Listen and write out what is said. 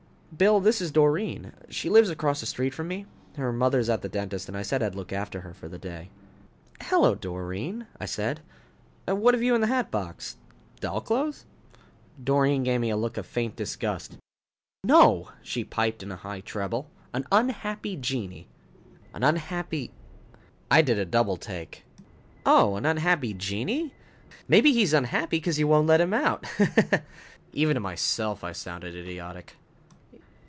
"Bill, this is Doreen. She lives across the street from me. Her mother's at the dentist and I said I'd look after her for the day." "Hello, Doreen," I said. "What have you in the hatbox? Doll clothes?" Doreen gave me a look of faint disgust. "No," she piped, in a high treble. "An unhappy genii." "An unhappy " I did a double take. "Oh, an unhappy genii? Maybe he's unhappy because you won't let him out, ha ha." Even to myself, I sounded idiotic.